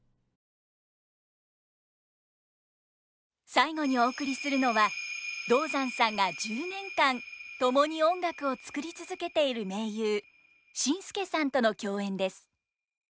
最後にお送りするのは道山さんが１０年間共に音楽を作り続けている盟友ＳＩＮＳＫＥさんとの共演です。